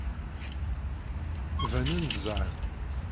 Banen-d zhan.